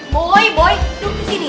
boy boy duduk disini